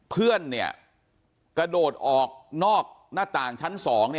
เพื่อนกระโดดออกนอกหน้าต่างชั้น๒